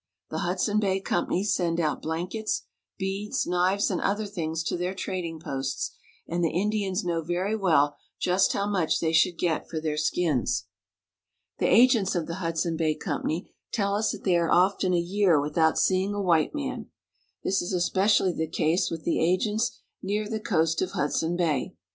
The 'Hudson Bay Company send out blankets, beads, knives, and other things to their trad ing posts, and the Indians know very well just how much they should get for their skins. The agents of the Hudson Bay Company tell us that they are often a year without seeing a white man. This is especially the case with the agents near the coast of Hudson Bay.